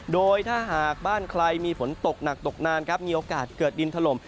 โดยถ้าหากบ้านใครมีฝนตกหนักตกนานครับมีโอกาสเกิดดินถล่ม